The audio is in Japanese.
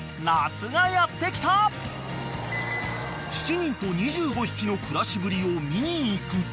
［７人と２５匹の暮らしぶりを見に行くと］